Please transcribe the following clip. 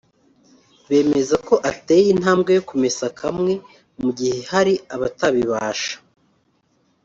bemeza ko ateye intambwe yo kumesa kamwe mu gihe hari abatabibasha